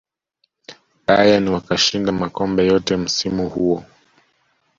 bayern wakashinda makombe yote msimu huo